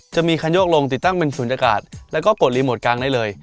จะมีคันโยกลงติดตั้งเป็นศูนยากาศแล้วก็กดรีโมทกลางได้เลย